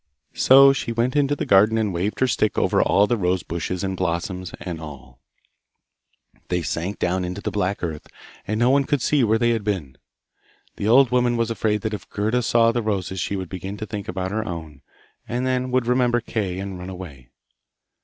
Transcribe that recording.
So she went into the garden and waved her stick over all the rose bushes and blossoms and all; they sank down into the black earth, and no one could see where they had been. The old woman was afraid that if Gerda saw the roses she would begin to think about her own, and then would remember Kay and run away.